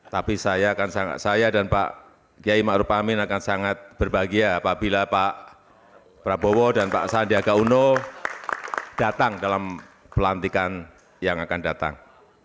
tapi saya akan sangat saya dan pak kiai ⁇ maruf ⁇ amin akan sangat berbahagia apabila pak prabowo dan pak sandiaga uno datang dalam pelantikan yang akan datang